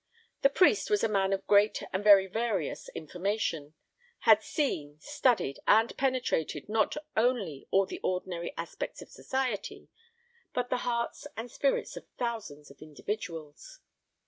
The priest was a man of great and very various information, had seen, studied, and penetrated not only all the ordinary aspects of society, but the hearts and spirits of thousands of individuals.